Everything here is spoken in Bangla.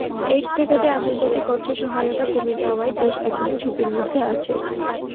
এইডস ঠেকাতে আন্তর্জাতিক অর্থ-সহায়তা কমে যাওয়ায় দেশ এখনো ঝুঁকির মধ্যে আছে।